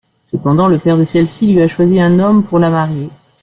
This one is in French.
Cependant, le père de celle-ci lui a choisi un homme pour la marier.